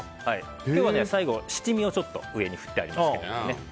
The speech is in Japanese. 今日は最後七味を振ってありますけど。